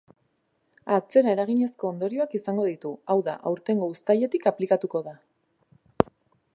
Atzeraeraginezko ondorioak izango ditu, hau da, aurtengo uztailetik aplikatuko da.